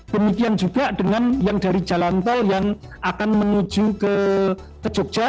demikian juga dengan yang dari jalan tol yang akan menuju ke jogja